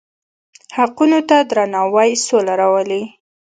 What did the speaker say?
حقونو ته درناوی سوله راولي.